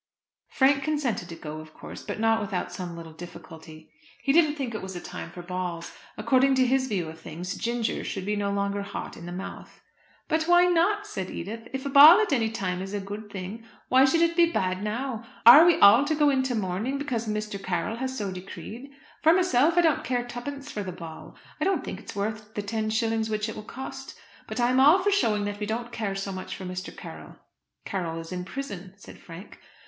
Frank consented to go of course, but not without some little difficulty. He didn't think it was a time for balls. According to his view of things ginger should be no longer hot in the mouth. "But why not?" said Edith. "If a ball at any time is a good thing, why should it be bad now? Are we all to go into mourning, because Mr. Carroll has so decreed? For myself I don't care twopence for the ball. I don't think it is worth the ten shillings which it will cost. But I am all for showing that we don't care so much for Mr. Carroll." "Carroll is in prison," said Frank.